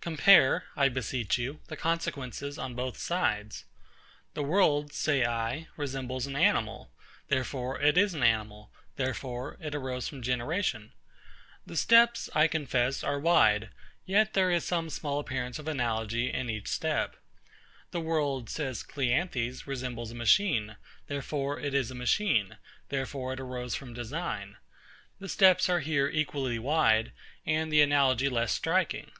Compare, I beseech you, the consequences on both sides. The world, say I, resembles an animal; therefore it is an animal, therefore it arose from generation. The steps, I confess, are wide; yet there is some small appearance of analogy in each step. The world, says CLEANTHES, resembles a machine; therefore it is a machine, therefore it arose from design. The steps are here equally wide, and the analogy less striking.